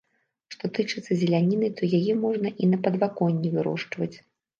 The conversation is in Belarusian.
Што тычыцца зеляніны, то яе можна і на падваконні вырошчваць.